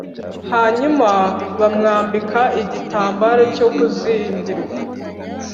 Hanyuma bamwambika igitambaro cyo kuzingirwa